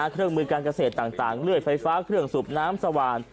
เครื่องมือการเกษตรต่างเลื่อยไฟฟ้าเครื่องสูบน้ำสว่าน